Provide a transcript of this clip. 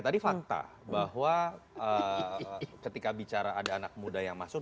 tadi fakta bahwa ketika bicara ada anak muda yang masuk